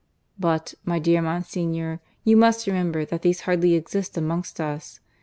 But, my dear Monsignor, you must remember that these hardly exist amongst us.